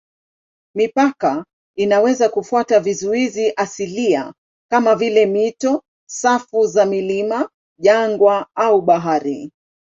Mipaka inaweza kufuata vizuizi asilia kama vile mito, safu za milima, jangwa au bahari.